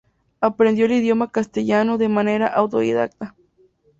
Aprendió el idioma castellano de manera autodidacta.